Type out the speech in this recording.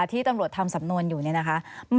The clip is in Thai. ที่ตำรวจทำสำนวนอยู่เนี่ยนะคะ